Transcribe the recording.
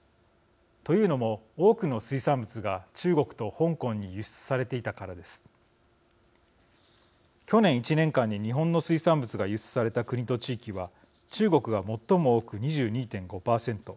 というのも多くの水産物が中国と香港に輸出されていたからです。去年１年間に日本の水産物が輸出された国と地域は中国が最も多く２２．５％。